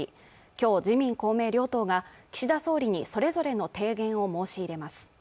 きょう自民公明両党が岸田総理にそれぞれの提言を申し入れます